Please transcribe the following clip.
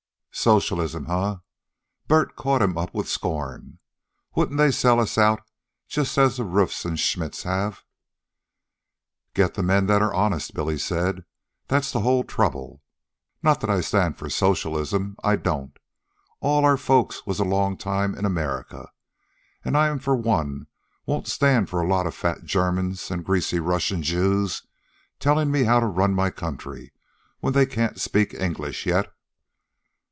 "Socialism, eh?" Bert caught him up with scorn. "Wouldn't they sell us out just as the Ruefs and Schmidts have?" "Get men that are honest," Billy said. "That's the whole trouble. Not that I stand for socialism. I don't. All our folks was a long time in America, an' I for one won't stand for a lot of fat Germans an' greasy Russian Jews tellin' me how to run my country when they can't speak English yet."